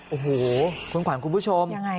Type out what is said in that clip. โอ้โหคุณขวัญคุณผู้ชม